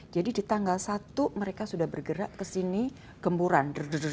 jadi di tanggal satu mereka sudah bergerak ke sini gemburan